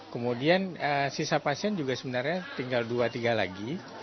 kemudian sisa pasien juga sebenarnya tinggal dua tiga lagi